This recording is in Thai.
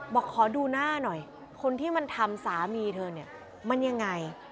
บอกขอดูหน้าหน่อยคนที่มันทำสามีเธอเนี่ยมันยังไง